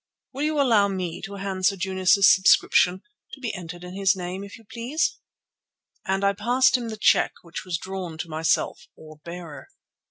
Will you allow me to hand you Sir Junius's subscription—to be entered in his name, if you please?" And I passed him the cheque, which was drawn to myself or bearer.